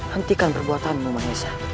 hentikan perbuatanmu mahesa